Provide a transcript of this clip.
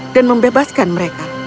dan membebaskan mereka